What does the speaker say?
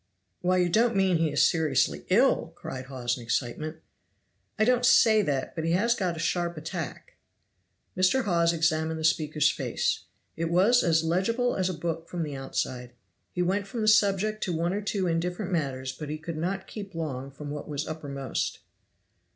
"Why you don't mean he is seriously ill?" cried Hawes in excitement. "I don't say that, but he has got a sharp attack." Mr. Hawes examined the speaker's face. It was as legible as a book from the outside. He went from the subject to one or two indifferent matters, but he could not keep long from what was uppermost.